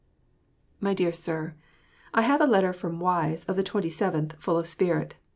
MY DEAR SIR: I have a letter from Wise, of the 27th, full of spirit.